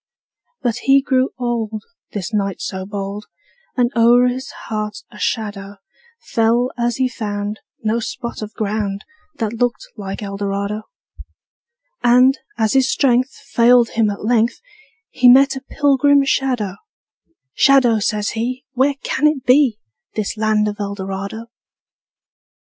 But he grew old, This knight so bold, And o'er his heart a shadow Fell as he found No spot of ground That looked like Eldorado. And, as his strength Failed him at length, He met a pilgrim shadow: ``Shadow,'' says he, ``Where can it be, This land of Eldorado?''